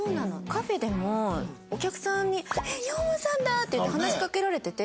カフェでもお客さんに「えっヨンアさんだ！」って言って話しかけられてて。